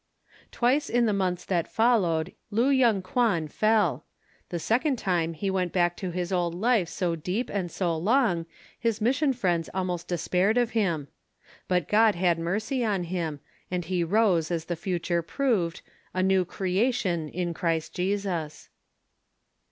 Twice in the months that followed Lu Yung Kwan fell; the second time he went back to his old life so deep and so long his Mission friends almost despaired of him. But God had mercy on him, and he rose as the future proved, "a new creation" in Christ Jesus.